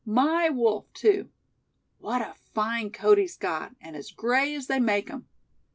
My wolf, too. What a fine coat he's got, and as gray as they make 'em.